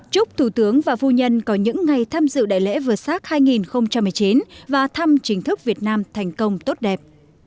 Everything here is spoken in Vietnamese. chúc thủ tướng và phu nhân có những ngày thăm dự đại lễ vsat hai nghìn một mươi chín và thăm chính thức việt nam thành công tốt đẹp